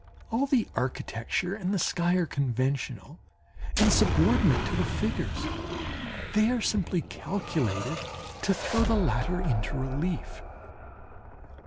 All the architecture and the sky are conventional and subordinate to the figures, they are simply calculated to throw the latter into relief.